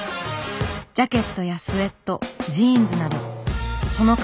ジャケットやスウェットジーンズなどその数